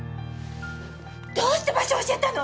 どうして場所教えたの！？